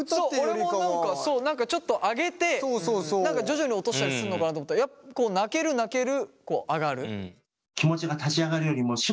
そう俺も何かちょっと上げて徐々に落としたりすんのかなと思ったら泣ける泣ける上がる。